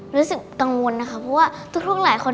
รู้สึกกังวลนะคะเพราะว่าทุกหลายคน